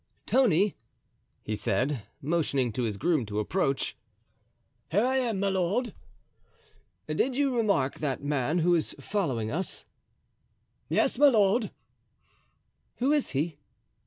"Tony," he said, motioning to his groom to approach. "Here I am, my lord." "Did you remark that man who is following us?" "Yes, my lord." "Who is he?"